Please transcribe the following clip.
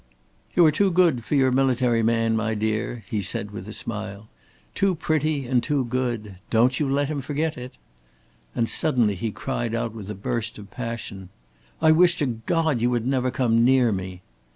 "You are too good for your military man, my dear," he said, with a smile. "Too pretty and too good. Don't you let him forget it!" And suddenly he cried out with a burst of passion. "I wish to God you had never come near me!"